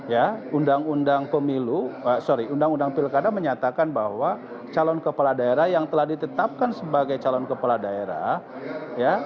ya undang undang pemilu sorry undang undang pilkada menyatakan bahwa calon kepala daerah yang telah ditetapkan sebagai calon kepala daerah ya